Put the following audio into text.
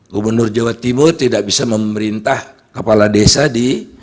gubernur jawa timur tidak bisa memerintah kepala desa di